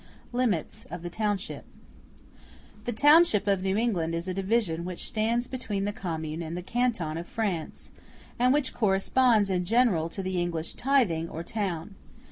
Limits Of The Township The township of New England is a division which stands between the commune and the canton of France, and which corresponds in general to the English tithing, or town.